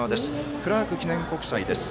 クラーク記念国際です。